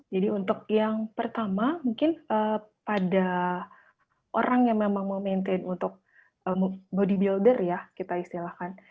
jadi untuk yang pertama mungkin pada orang yang memang mau maintain untuk bodybuilder ya kita istilahkan